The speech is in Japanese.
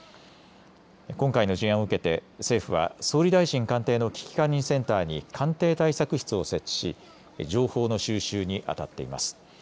今回の事案を受けて政府は総理大臣官邸の危機管理センターに官邸対策室を設置し情報の収集にあたっています。